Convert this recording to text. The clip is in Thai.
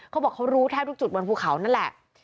เขาบอกเขารู้แทบทุกจุดบนภูเขานั่นแหละ